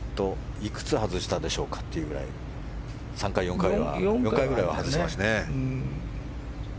いくつ外したでしょうかっていうぐらい３回４回ぐらいは外してますね。